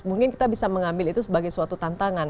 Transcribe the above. mungkin kita bisa mengambil itu sebagai suatu tantangan